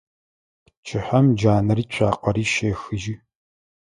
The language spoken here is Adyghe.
Пчыхьэм джанэри цуакъэри щехыжьы.